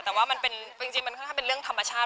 แต่ว่ามันเป็นจริงมันค่อนข้างเป็นเรื่องธรรมชาติ